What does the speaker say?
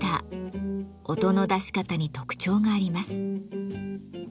音の出し方に特徴があります。